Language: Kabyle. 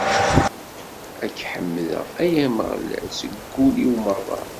Ad k-ḥemdeɣ, ay Ameɣlal, seg wul-iw merra.